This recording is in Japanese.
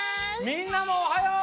みんなもおはよう！